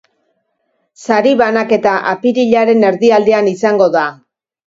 Sari banaketa apirilaren erdialdean izango da.